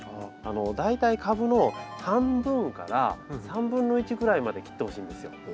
大体株の半分から３分の１ぐらいまで切ってほしいんですよ。